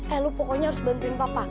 eh lu pokoknya harus bantuin papa